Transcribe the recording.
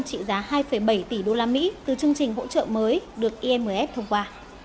trị giá hai bảy tỷ usd từ chương trình hỗ trợ mới được imf thông qua